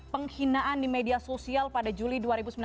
penghinaan di media sosial pada juli dua ribu sembilan belas